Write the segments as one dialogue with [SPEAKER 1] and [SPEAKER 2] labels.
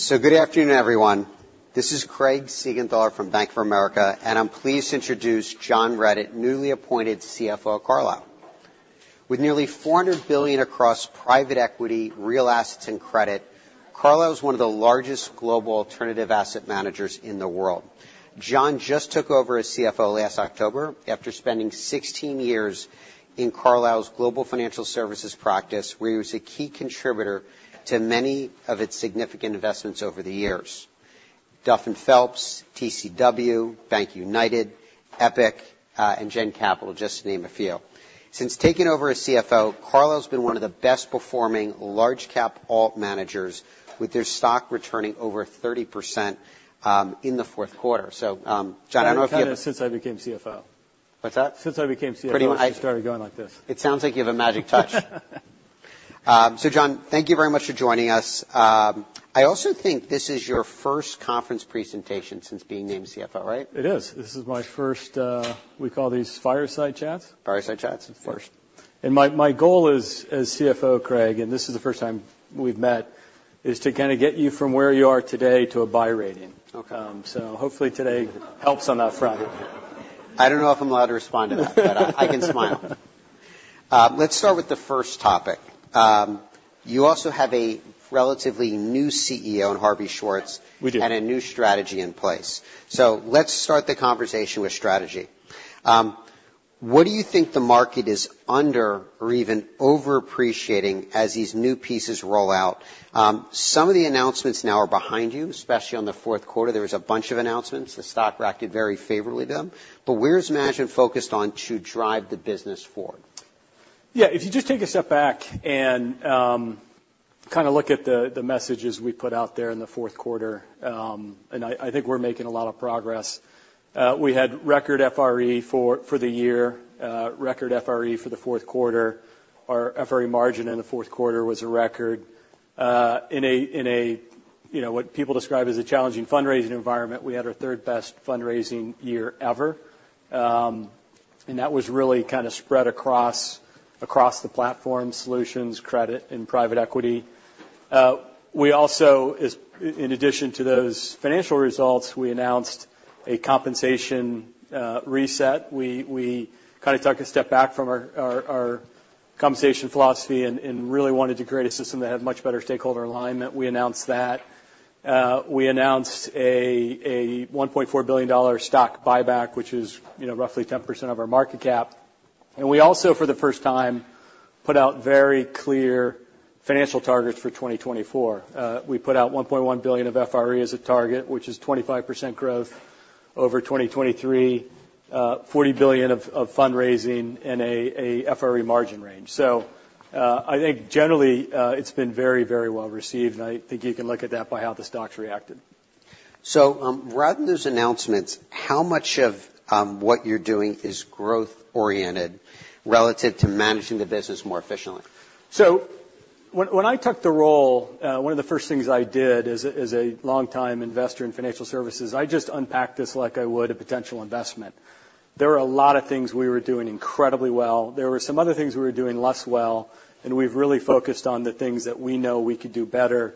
[SPEAKER 1] So good afternoon, everyone. This is Craig Siegenthaler from Bank of America, and I'm pleased to introduce John Redett, newly appointed CFO of Carlyle. With nearly $400 billion across private equity, real assets, and credit, Carlyle is one of the largest global alternative asset managers in the world. John just took over as CFO last October after spending 16 years in Carlyle's global financial services practice, where he was a key contributor to many of its significant investments over the years: Duff & Phelps, TCW, BankUnited, EPIC, and Jencap, just to name a few. Since taking over as CFO, Carlyle has been one of the best-performing large-cap alt managers, with their stock returning over 30% in the fourth quarter. So, John, I don't know if you've.
[SPEAKER 2] I've done it since I became CFO.
[SPEAKER 1] What's that?
[SPEAKER 2] Since I became CFO.
[SPEAKER 1] Pretty much.
[SPEAKER 2] I started going like this.
[SPEAKER 1] It sounds like you have a magic touch. John, thank you very much for joining us. I also think this is your first conference presentation since being named CFO, right?
[SPEAKER 2] It is. This is my first. We call these fireside chats.
[SPEAKER 1] Fireside chats?
[SPEAKER 2] First, my goal as CFO, Craig, and this is the first time we've met, is to kind of get you from where you are today to a Buy rating. So hopefully today helps on that front.
[SPEAKER 1] I don't know if I'm allowed to respond to that, but I can smile. Let's start with the first topic. You also have a relatively new CEO in Harvey Schwartz.
[SPEAKER 2] We do.
[SPEAKER 1] A new strategy in place. Let's start the conversation with strategy. What do you think the market is under or even overappreciating as these new pieces roll out? Some of the announcements now are behind you, especially on the fourth quarter. There was a bunch of announcements. The stock reacted very favorably to them. Where is management focused on to drive the business forward?
[SPEAKER 2] Yeah, if you just take a step back and kind of look at the messages we put out there in the fourth quarter, and I think we're making a lot of progress. We had record FRE for the year, record FRE for the fourth quarter. Our FRE margin in the fourth quarter was a record. In what people describe as a challenging fundraising environment, we had our third-best fundraising year ever, and that was really kind of spread across the platform: solutions, credit, and private equity. In addition to those financial results, we announced a compensation reset. We kind of took a step back from our compensation philosophy and really wanted to create a system that had much better stakeholder alignment. We announced that. We announced a $1.4 billion stock buyback, which is roughly 10% of our market cap. We also, for the first time, put out very clear financial targets for 2024. We put out $1.1 billion of FRE as a target, which is 25% growth over 2023, $40 billion of fundraising, and a FRE margin range. So I think, generally, it's been very, very well received, and I think you can look at that by how the stocks reacted.
[SPEAKER 1] Rather than those announcements, how much of what you're doing is growth-oriented relative to managing the business more efficiently?
[SPEAKER 2] So when I took the role, one of the first things I did as a longtime investor in financial services, I just unpacked this like I would a potential investment. There were a lot of things we were doing incredibly well. There were some other things we were doing less well, and we've really focused on the things that we know we could do better.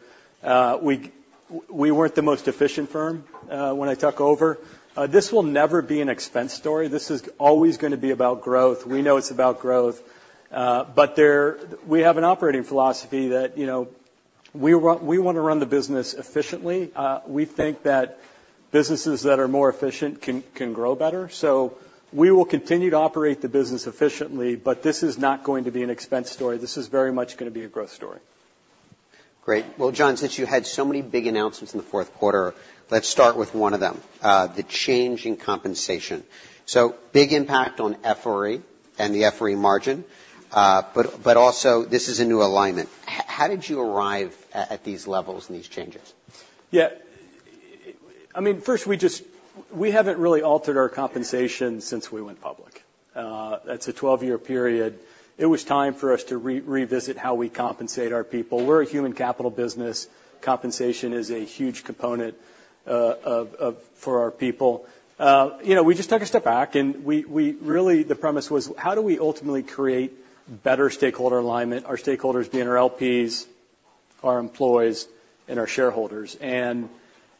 [SPEAKER 2] We weren't the most efficient firm when I took over. This will never be an expense story. This is always going to be about growth. We know it's about growth, but we have an operating philosophy that we want to run the business efficiently. We think that businesses that are more efficient can grow better. So we will continue to operate the business efficiently, but this is not going to be an expense story. This is very much going to be a growth story.
[SPEAKER 1] Great. Well, John, since you had so many big announcements in the fourth quarter, let's start with one of them: the change in compensation. So big impact on FRE and the FRE margin, but also this is a new alignment. How did you arrive at these levels and these changes?
[SPEAKER 2] Yeah, I mean, first, we haven't really altered our compensation since we went public. That's a 12-year period. It was time for us to revisit how we compensate our people. We're a human capital business. Compensation is a huge component for our people. We just took a step back, and really, the premise was, how do we ultimately create better stakeholder alignment, our stakeholders being our LPs, our employees, and our shareholders?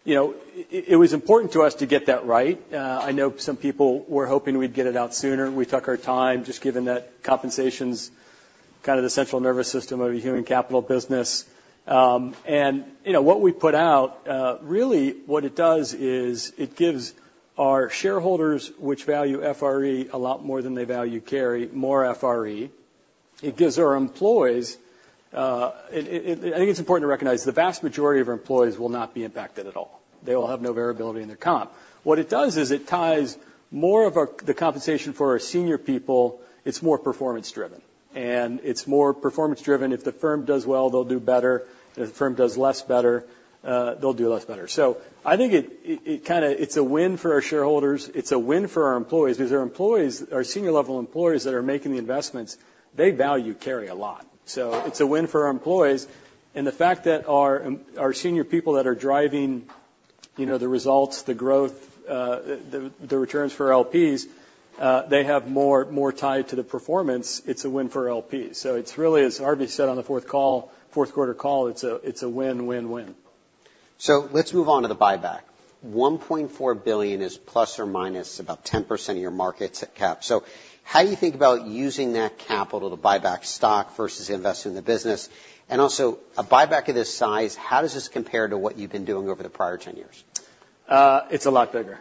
[SPEAKER 2] And it was important to us to get that right. I know some people were hoping we'd get it out sooner. We took our time, just given that compensation's kind of the central nervous system of a human capital business. And what we put out, really, what it does is it gives our shareholders, which value FRE a lot more than they value carry, more FRE. It gives our employees. I think it's important to recognize the vast majority of our employees will not be impacted at all. They will have no variability in their comp. What it does is it ties more of the compensation for our senior people. It's more performance-driven, and it's more performance-driven. If the firm does well, they'll do better. If the firm does less better, they'll do less better. So I think it's a win for our shareholders. It's a win for our employees because our senior-level employees that are making the investments, they value carry a lot. So it's a win for our employees. And the fact that our senior people that are driving the results, the growth, the returns for our LPs, they have more tied to the performance, it's a win for our LPs. It's really, as Harvey said on the fourth quarter call, it's a win, win, win.
[SPEAKER 1] Let's move on to the buyback. $1.4 billion is ± about 10% of your market cap. How do you think about using that capital to buy back stock versus investing in the business? And also, a buyback of this size, how does this compare to what you've been doing over the prior 10 years?
[SPEAKER 2] It's a lot bigger.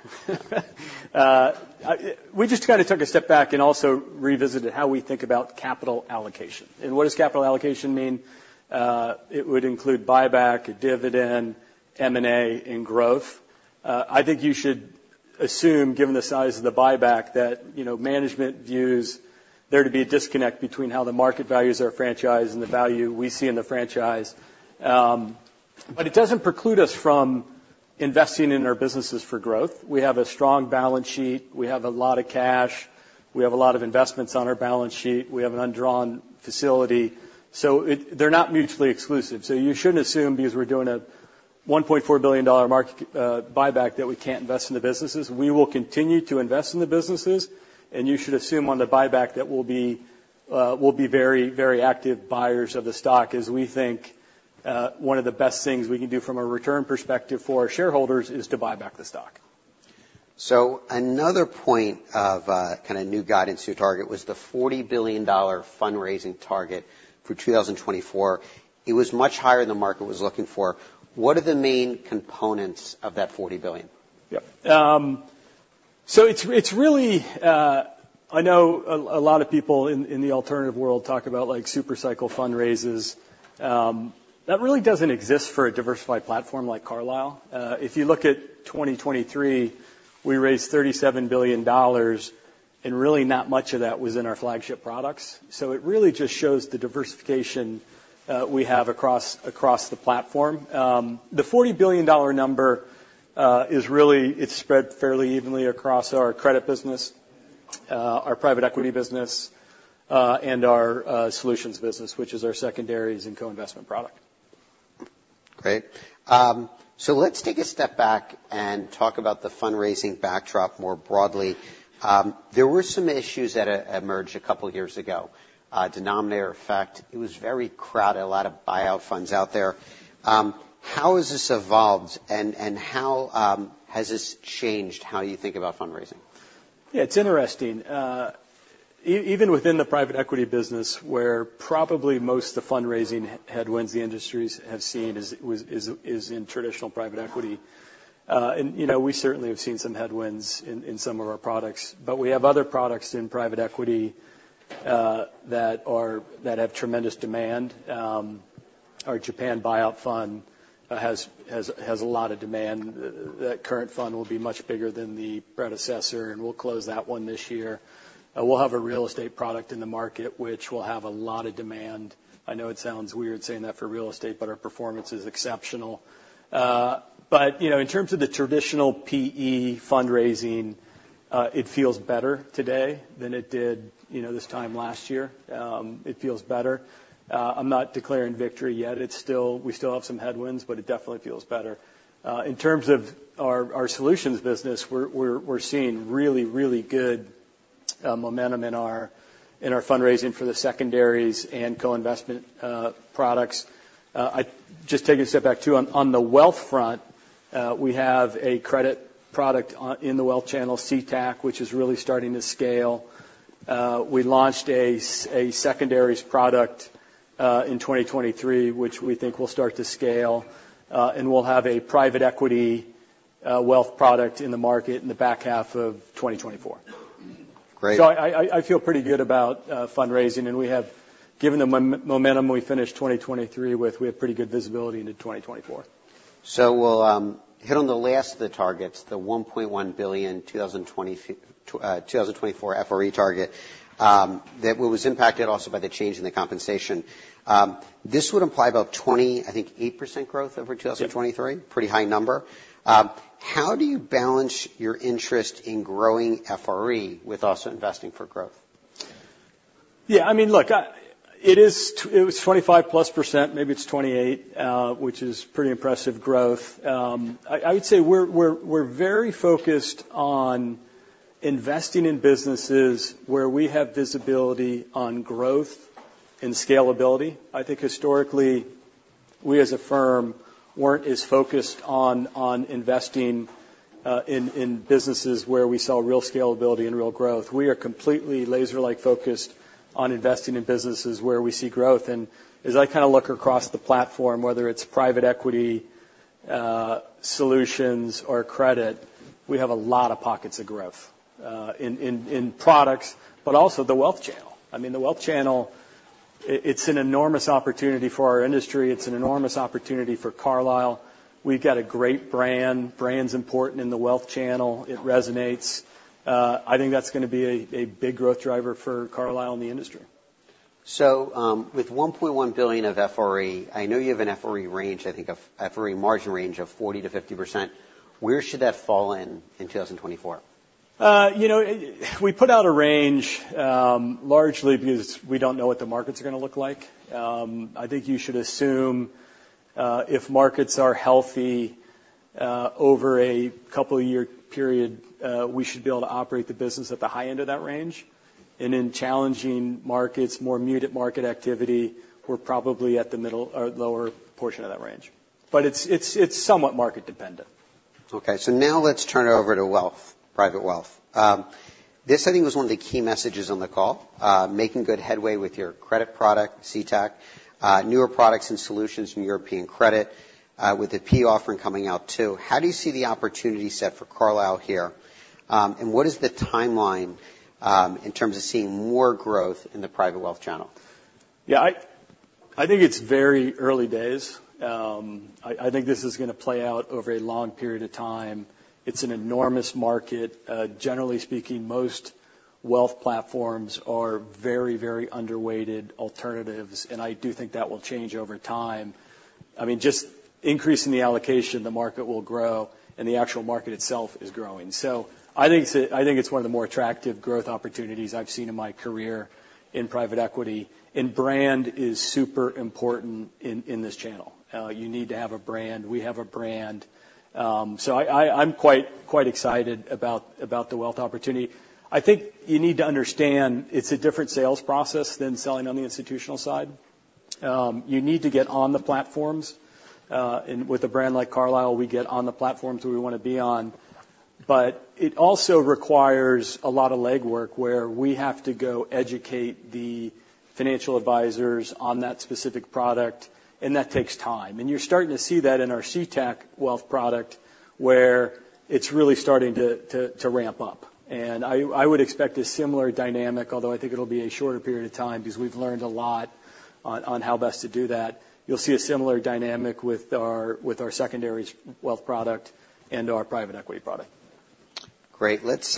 [SPEAKER 2] We just kind of took a step back and also revisited how we think about capital allocation. What does capital allocation mean? It would include buyback, dividend, M&A, and growth. I think you should assume, given the size of the buyback, that management views there to be a disconnect between how the market values our franchise and the value we see in the franchise. But it doesn't preclude us from investing in our businesses for growth. We have a strong balance sheet. We have a lot of cash. We have a lot of investments on our balance sheet. We have an undrawn facility. So they're not mutually exclusive. So you shouldn't assume, because we're doing a $1.4 billion buyback, that we can't invest in the businesses. We will continue to invest in the businesses, and you should assume on the buyback that we'll be very, very active buyers of the stock, as we think one of the best things we can do from a return perspective for our shareholders is to buy back the stock.
[SPEAKER 1] Another point of kind of new guidance to your target was the $40 billion fundraising target for 2024. It was much higher than the market was looking for. What are the main components of that $40 billion?
[SPEAKER 2] Yeah, so it's really, I know a lot of people in the alternative world talk about supercycle fundraises. That really doesn't exist for a diversified platform like Carlyle. If you look at 2023, we raised $37 billion, and really not much of that was in our flagship products. So it really just shows the diversification we have across the platform. The $40 billion number is really, it's spread fairly evenly across our credit business, our private equity business, and our solutions business, which is our secondaries and co-investment product.
[SPEAKER 1] Great. So let's take a step back and talk about the fundraising backdrop more broadly. There were some issues that emerged a couple of years ago, Denominator Effect. It was very crowded, a lot of buyout funds out there. How has this evolved, and how has this changed how you think about fundraising?
[SPEAKER 2] Yeah, it's interesting. Even within the private equity business, where probably most of the fundraising headwinds the industries have seen is in traditional private equity. We certainly have seen some headwinds in some of our products, but we have other products in private equity that have tremendous demand. Our Japan buyout fund has a lot of demand. That current fund will be much bigger than the predecessor, and we'll close that one this year. We'll have a real estate product in the market which will have a lot of demand. I know it sounds weird saying that for real estate, but our performance is exceptional. In terms of the traditional PE fundraising, it feels better today than it did this time last year. It feels better. I'm not declaring victory yet. We still have some headwinds, but it definitely feels better. In terms of our solutions business, we're seeing really, really good momentum in our fundraising for the secondaries and co-investment products. Just taking a step back, too, on the wealth front, we have a credit product in the wealth channel, CTAC, which is really starting to scale. We launched a secondaries product in 2023, which we think will start to scale, and we'll have a private equity wealth product in the market in the back half of 2024. So I feel pretty good about fundraising, and given the momentum we finished 2023 with, we have pretty good visibility into 2024.
[SPEAKER 1] So we'll hit on the last of the targets, the $1.1 billion 2024 FRE target that was impacted also by the change in the compensation. This would imply about 20.8% growth over 2023, pretty high number. How do you balance your interest in growing FRE with also investing for growth?
[SPEAKER 2] Yeah, I mean, look, it was 25%+. Maybe it's 28%, which is pretty impressive growth. I would say we're very focused on investing in businesses where we have visibility on growth and scalability. I think, historically, we, as a firm, weren't as focused on investing in businesses where we saw real scalability and real growth. We are completely laser-like focused on investing in businesses where we see growth. And as I kind of look across the platform, whether it's private equity solutions or credit, we have a lot of pockets of growth in products, but also the wealth channel. I mean, the wealth channel, it's an enormous opportunity for our industry. It's an enormous opportunity for Carlyle. We've got a great brand. Brand's important in the wealth channel. It resonates. I think that's going to be a big growth driver for Carlyle and the industry.
[SPEAKER 1] So with $1.1 billion of FRE, I know you have an FRE range, I think, a FRE margin range of 40%-50%. Where should that fall in 2024?
[SPEAKER 2] We put out a range, largely because we don't know what the markets are going to look like. I think you should assume, if markets are healthy over a couple-year period, we should be able to operate the business at the high end of that range. In challenging markets, more muted market activity, we're probably at the middle or lower portion of that range. It's somewhat market-dependent.
[SPEAKER 1] Okay, so now let's turn it over to wealth, private wealth. This, I think, was one of the key messages on the call: making good headway with your credit product, CTAC, newer products and solutions in European credit, with a PE offering coming out, too. How do you see the opportunity set for Carlyle here, and what is the timeline in terms of seeing more growth in the private wealth channel?
[SPEAKER 2] Yeah, I think it's very early days. I think this is going to play out over a long period of time. It's an enormous market. Generally speaking, most wealth platforms are very, very underweighted alternatives, and I do think that will change over time. I mean, just increasing the allocation, the market will grow, and the actual market itself is growing. So I think it's one of the more attractive growth opportunities I've seen in my career in private equity. And brand is super important in this channel. You need to have a brand. We have a brand. So I'm quite excited about the wealth opportunity. I think you need to understand it's a different sales process than selling on the institutional side. You need to get on the platforms. With a brand like Carlyle, we get on the platforms we want to be on. It also requires a lot of legwork where we have to go educate the financial advisors on that specific product, and that takes time. You're starting to see that in our CTAC wealth product, where it's really starting to ramp up. I would expect a similar dynamic, although I think it'll be a shorter period of time because we've learned a lot on how best to do that. You'll see a similar dynamic with our secondaries wealth product and our private equity product.
[SPEAKER 1] Great. Let's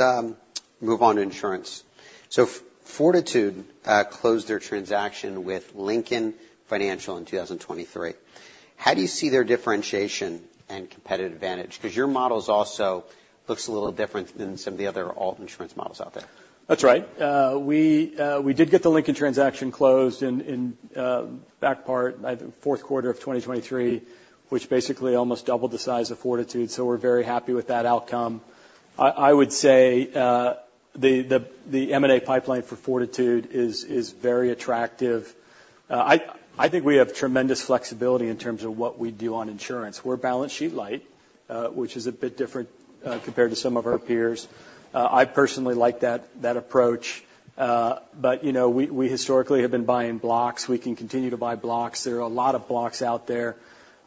[SPEAKER 1] move on to insurance. So Fortitude closed their transaction with Lincoln Financial in 2023. How do you see their differentiation and competitive advantage? Because your model also looks a little different than some of the other alt insurance models out there.
[SPEAKER 2] That's right. We did get the Lincoln transaction closed in back part, I think, fourth quarter of 2023, which basically almost doubled the size of Fortitude. So we're very happy with that outcome. I would say the M&A pipeline for Fortitude is very attractive. I think we have tremendous flexibility in terms of what we do on insurance. We're balance sheet light, which is a bit different compared to some of our peers. I personally like that approach. But we historically have been buying blocks. We can continue to buy blocks. There are a lot of blocks out there.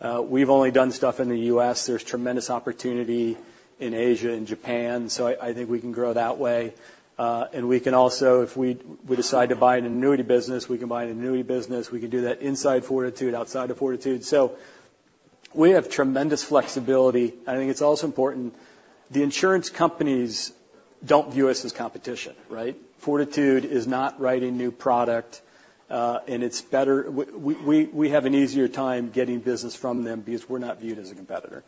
[SPEAKER 2] We've only done stuff in the U.S. There's tremendous opportunity in Asia and Japan, so I think we can grow that way. And we can also, if we decide to buy an annuity business, we can buy an annuity business. We can do that inside Fortitude, outside of Fortitude. We have tremendous flexibility. I think it's also important the insurance companies don't view us as competition, right? Fortitude is not writing new product, and we have an easier time getting business from them because we're not viewed as a competitor.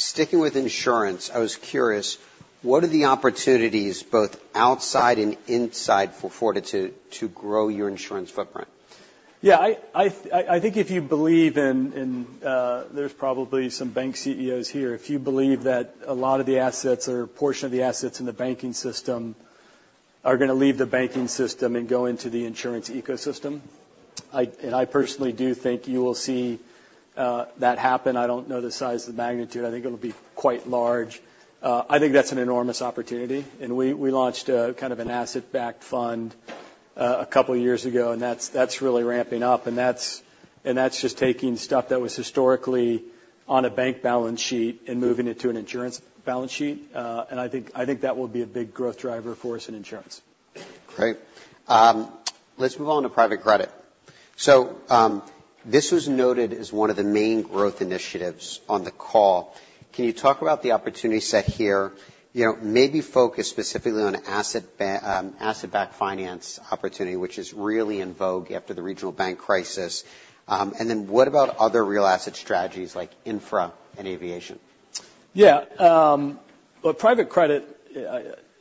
[SPEAKER 1] Sticking with insurance, I was curious, what are the opportunities both outside and inside for Fortitude to grow your insurance footprint?
[SPEAKER 2] Yeah, I think if you believe in—there's probably some bank CEOs here. If you believe that a lot of the assets or a portion of the assets in the banking system are going to leave the banking system and go into the insurance ecosystem, and I personally do think you will see that happen. I don't know the size of the magnitude. I think it'll be quite large. I think that's an enormous opportunity. And we launched kind of an asset-backed fund a couple of years ago, and that's really ramping up. And that's just taking stuff that was historically on a bank balance sheet and moving it to an insurance balance sheet. And I think that will be a big growth driver for us in insurance.
[SPEAKER 1] Great. Let's move on to private credit. So this was noted as one of the main growth initiatives on the call. Can you talk about the opportunity set here, maybe focus specifically on asset-backed finance opportunity, which is really in vogue after the regional bank crisis? And then what about other real asset strategies like infra and aviation?
[SPEAKER 2] Yeah, but private credit,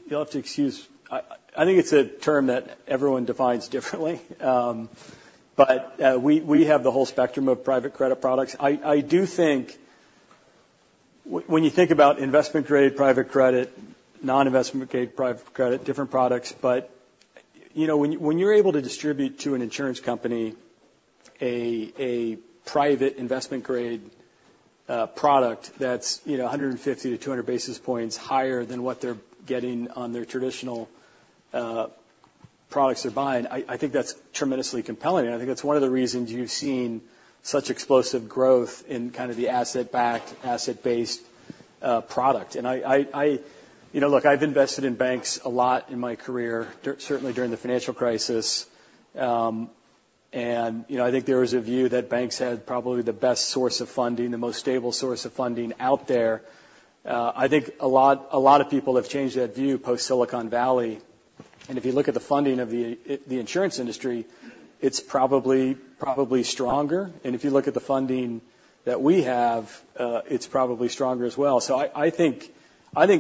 [SPEAKER 2] you'll have to excuse, I think it's a term that everyone defines differently. But we have the whole spectrum of private credit products. I do think when you think about investment grade private credit, non-investment-grade private credit, different products, but when you're able to distribute to an insurance company a private investment grade product that's 150-200 basis points higher than what they're getting on their traditional products they're buying, I think that's tremendously compelling. And I think that's one of the reasons you've seen such explosive growth in kind of the asset-backed, asset-based product. And look, I've invested in banks a lot in my career, certainly during the financial crisis. And I think there was a view that banks had probably the best source of funding, the most stable source of funding out there. I think a lot of people have changed that view post-Silicon Valley. If you look at the funding of the insurance industry, it's probably stronger. If you look at the funding that we have, it's probably stronger as well. I think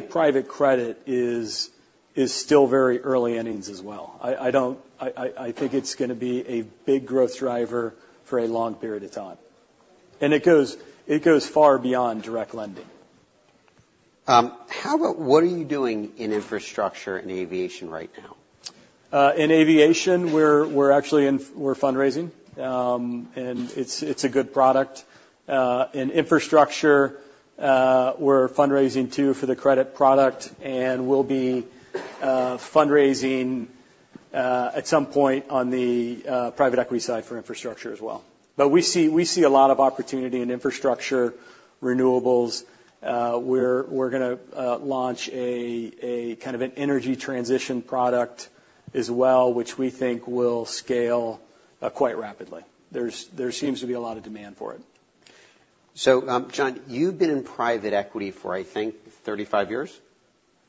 [SPEAKER 2] private credit is still very early innings as well. I think it's going to be a big growth driver for a long period of time. It goes far beyond direct lending.
[SPEAKER 1] What are you doing in infrastructure and aviation right now?
[SPEAKER 2] In aviation, we're fundraising, and it's a good product. In infrastructure, we're fundraising, too, for the credit product, and we'll be fundraising at some point on the private equity side for infrastructure as well. But we see a lot of opportunity in infrastructure, renewables. We're going to launch kind of an energy transition product as well, which we think will scale quite rapidly. There seems to be a lot of demand for it.
[SPEAKER 1] John, you've been in private equity for, I think, 35 years?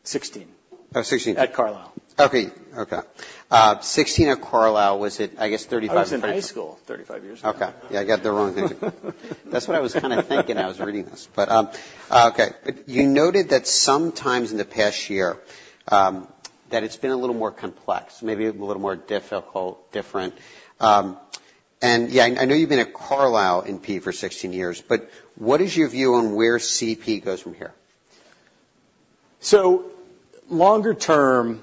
[SPEAKER 2] 16.
[SPEAKER 1] Oh, 16.
[SPEAKER 2] At Carlyle.
[SPEAKER 1] Okay, okay. 16 at Carlyle. Was it, I guess, 35 or 36?
[SPEAKER 2] I was in high school 35 years ago.
[SPEAKER 1] Okay, yeah, I got the wrong thing. That's what I was kind of thinking when I was reading this. But okay, you noted that sometimes in the past year that it's been a little more complex, maybe a little more difficult, different. And yeah, I know you've been at Carlyle in PE for 16 years, but what is your view on where CP goes from here?
[SPEAKER 2] So longer term,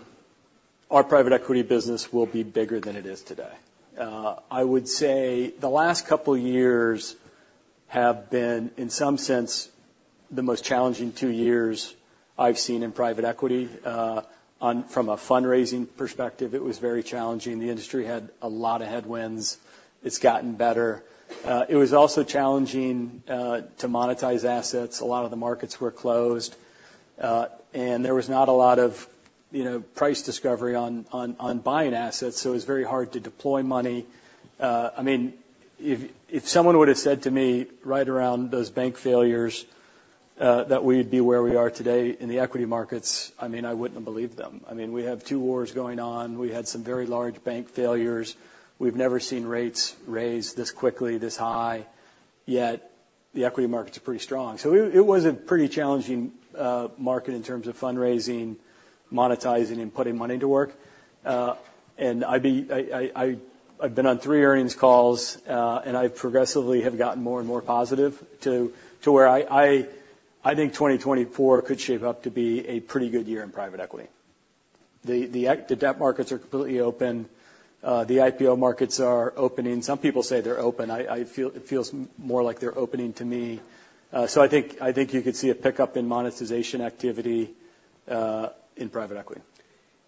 [SPEAKER 2] our private equity business will be bigger than it is today. I would say the last couple of years have been, in some sense, the most challenging two years I've seen in private equity. From a fundraising perspective, it was very challenging. The industry had a lot of headwinds. It's gotten better. It was also challenging to monetize assets. A lot of the markets were closed, and there was not a lot of price discovery on buying assets, so it was very hard to deploy money. I mean, if someone would have said to me right around those bank failures that we'd be where we are today in the equity markets, I mean, I wouldn't have believed them. I mean, we have two wars going on. We had some very large bank failures. We've never seen rates raised this quickly, this high yet. The equity markets are pretty strong. So it was a pretty challenging market in terms of fundraising, monetizing, and putting money to work. And I've been on three earnings calls, and I progressively have gotten more and more positive to where I think 2024 could shape up to be a pretty good year in private equity. The debt markets are completely open. The IPO markets are opening. Some people say they're open. It feels more like they're opening to me. So I think you could see a pickup in monetization activity in private equity.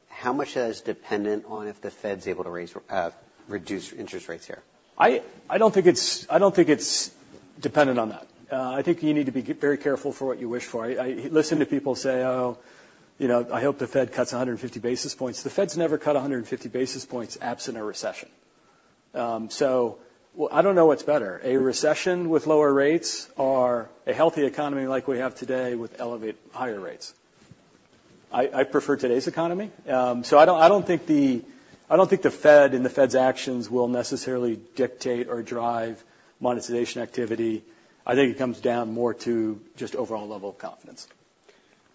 [SPEAKER 1] How much is that dependent on if the Fed's able to reduce interest rates here?
[SPEAKER 2] I don't think it's dependent on that. I think you need to be very careful for what you wish for. I listen to people say, Oh, I hope the Fed cuts 150 basis points. The Fed's never cut 150 basis points absent a recession. So I don't know what's better, a recession with lower rates or a healthy economy like we have today with higher rates. I prefer today's economy. So I don't think the Fed and the Fed's actions will necessarily dictate or drive monetization activity. I think it comes down more to just overall level of confidence.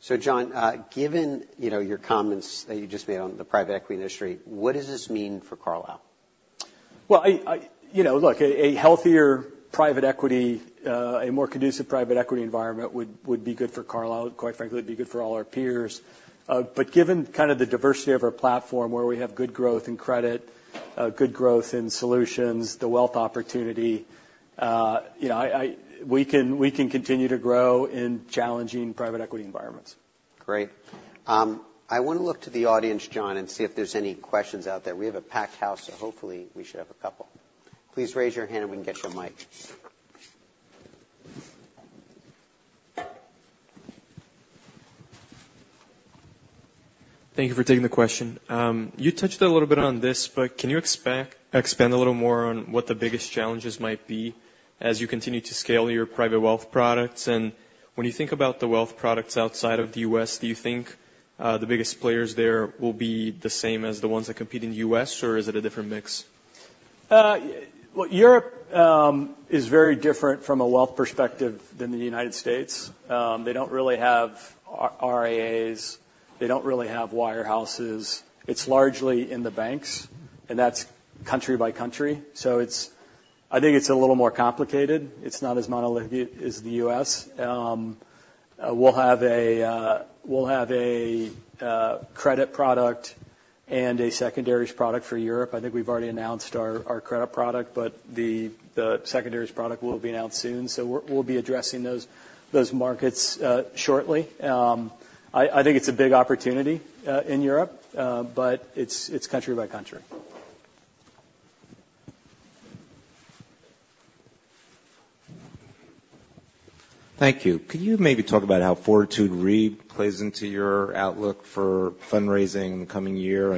[SPEAKER 1] So, John, given your comments that you just made on the private equity industry, what does this mean for Carlyle?
[SPEAKER 2] Well, look, a healthier private equity, a more conducive private equity environment would be good for Carlyle. Quite frankly, it'd be good for all our peers. But given kind of the diversity of our platform, where we have good growth in credit, good growth in solutions, the wealth opportunity, we can continue to grow in challenging private equity environments.
[SPEAKER 1] Great. I want to look to the audience, John, and see if there's any questions out there. We have a packed house, so hopefully we should have a couple. Please raise your hand, and we can get you a mic.
[SPEAKER 3] Thank you for taking the question. You touched a little bit on this, but can you expand a little more on what the biggest challenges might be as you continue to scale your private wealth products? And when you think about the wealth products outside of the U.S., do you think the biggest players there will be the same as the ones that compete in the U.S., or is it a different mix?
[SPEAKER 2] Well, Europe is very different from a wealth perspective than the United States. They don't really have RIAs. They don't really have wirehouses. It's largely in the banks, and that's country by country. So I think it's a little more complicated. It's not as monolithic as the U.S. We'll have a credit product and a secondaries product for Europe. I think we've already announced our credit product, but the secondaries product will be announced soon. So we'll be addressing those markets shortly. I think it's a big opportunity in Europe, but it's country by country.
[SPEAKER 3] Thank you. Could you maybe talk about how Fortitude Re plays into your outlook for fundraising in the coming year?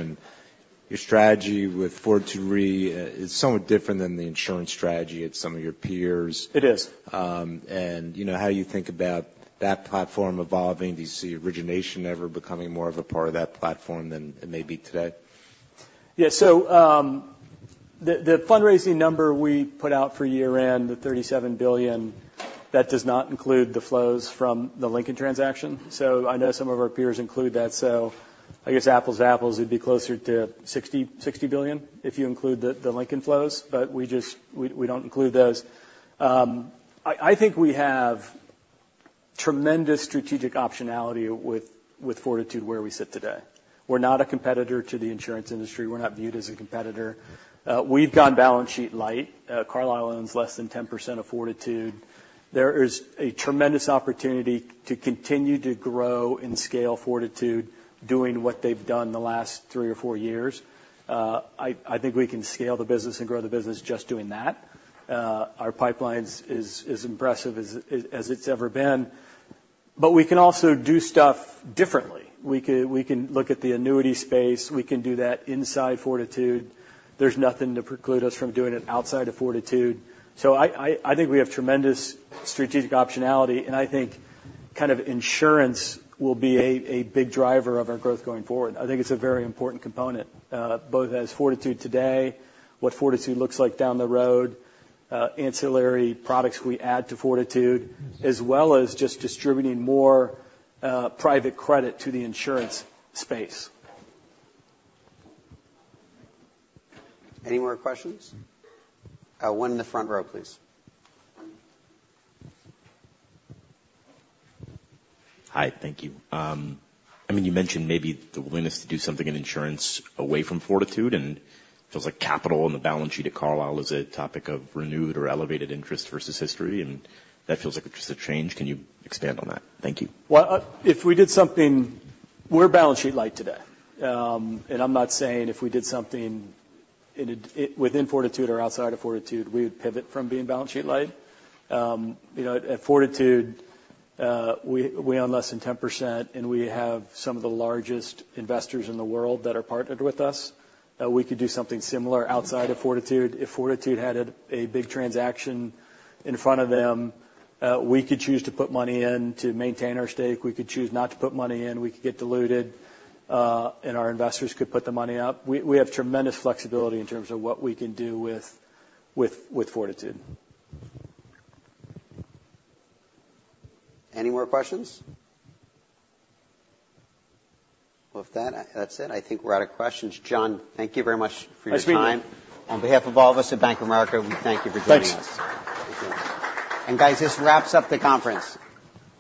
[SPEAKER 3] Your strategy with Fortitude Re is somewhat different than the insurance strategy at some of your peers.
[SPEAKER 2] It is.
[SPEAKER 3] How you think about that platform evolving? Do you see origination ever becoming more of a part of that platform than it may be today?
[SPEAKER 2] Yeah, so the fundraising number we put out for year-end, the $37 billion, that does not include the flows from the Lincoln transaction. So I know some of our peers include that. So I guess apples to apples, it'd be closer to $60 billion if you include the Lincoln flows, but we don't include those. I think we have tremendous strategic optionality with Fortitude where we sit today. We're not a competitor to the insurance industry. We're not viewed as a competitor. We've gone balance sheet light. Carlyle owns less than 10% of Fortitude. There is a tremendous opportunity to continue to grow and scale Fortitude doing what they've done the last three or four years. I think we can scale the business and grow the business just doing that. Our pipeline is impressive as it's ever been. But we can also do stuff differently. We can look at the annuity space. We can do that inside Fortitude. There's nothing to preclude us from doing it outside of Fortitude. So I think we have tremendous strategic optionality, and I think kind of insurance will be a big driver of our growth going forward. I think it's a very important component, both as Fortitude today, what Fortitude looks like down the road, ancillary products we add to Fortitude, as well as just distributing more private credit to the insurance space.
[SPEAKER 1] Any more questions? One in the front row, please.
[SPEAKER 3] Hi, thank you. I mean, you mentioned maybe the willingness to do something in insurance away from Fortitude. It feels like capital and the balance sheet at Carlyle is a topic of renewed or elevated interest versus history, and that feels like it's just a change. Can you expand on that? Thank you.
[SPEAKER 2] Well, if we did something, we're balance sheet light today. And I'm not saying if we did something within Fortitude or outside of Fortitude, we would pivot from being balance sheet light. At Fortitude, we own less than 10%, and we have some of the largest investors in the world that are partnered with us. We could do something similar outside of Fortitude. If Fortitude had a big transaction in front of them, we could choose to put money in to maintain our stake. We could choose not to put money in. We could get diluted, and our investors could put the money up. We have tremendous flexibility in terms of what we can do with Fortitude.
[SPEAKER 1] Any more questions? Well, if that's it, I think we're out of questions. John, thank you very much for your time. On behalf of all of us at Bank of America, we thank you for joining us.
[SPEAKER 2] Thanks.
[SPEAKER 1] Guys, this wraps up the conference.